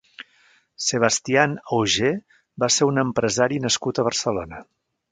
Sebastián Auger va ser un empresari nascut a Barcelona.